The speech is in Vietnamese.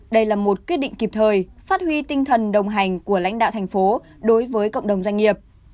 đây là một quyết định kịp thời phát huy tinh thần đồng hành của lãnh đạo thành phố đối với cộng đồng doanh nghiệp